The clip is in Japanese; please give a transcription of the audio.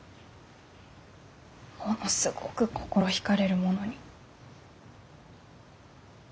ものすごぐ心引かれるものに。